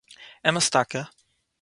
אמת טאַקע